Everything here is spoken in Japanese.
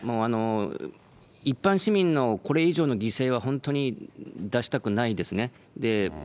一般市民のこれ以上の犠牲は本当に出したくないですね。